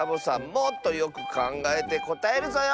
もっとよくかんがえてこたえるぞよ。